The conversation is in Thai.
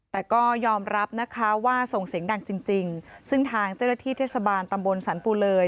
แต่ก็ยอมรับนะคะว่าส่งเสียงดังจริงจริงซึ่งทางเจ้าหน้าที่เทศบาลตำบลสรรปูเลย